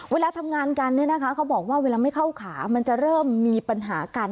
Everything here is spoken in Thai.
เวลาทำงานกันเนี่ยนะคะเขาบอกว่าเวลาไม่เข้าขามันจะเริ่มมีปัญหากัน